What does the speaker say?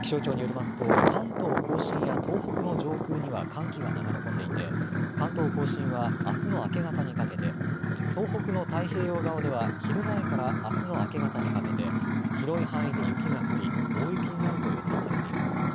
気象庁によりますと関東甲信や東北の上空には寒気が流れ込んでいて関東甲信はあすの明け方にかけて、東北の太平洋側では昼前からあすの明け方にかけて広い範囲で雪が降り大雪になると予想されています。